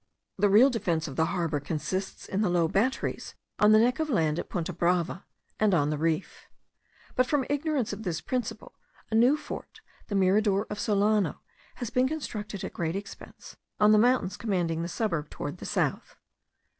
The real defence of the harbour consists in the low batteries on the neck of land at Punta Brava, and on the reef; but from ignorance of this principle, a new fort, the Mirador of Solano* has been constructed at a great expense, on the mountains commanding the suburb towards the south.